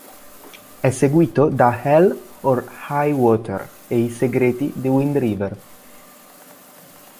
È seguito da "Hell or High Water" e "I segreti di Wind River".